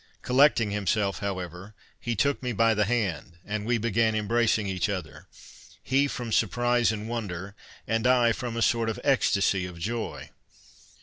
Collecting himself, however, he took me by the hand, and we began embracing each other, he from surprise and wonder, and I from a sort of ecstacy of joy.